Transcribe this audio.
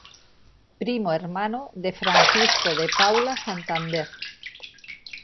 Primo hermano de Francisco de Paula Santander.